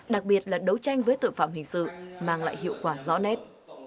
đặc biệt là đấu tranh với tội phạm hình sự mang lại hiệu quả rõ nét